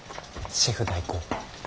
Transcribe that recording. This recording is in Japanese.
シェフ代行。